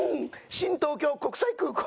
新東京国際空港。